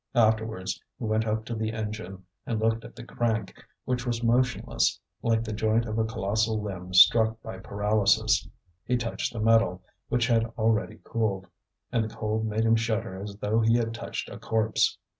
Afterwards he went up to the engine, and looked at the crank, which was motionless, like the joint of a colossal limb struck by paralysis. He touched the metal, which had already cooled, and the cold made him shudder as though he had touched a corpse.